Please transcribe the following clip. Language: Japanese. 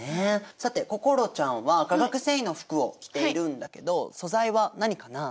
さて心ちゃんは化学繊維の服を着ているんだけど素材は何かな？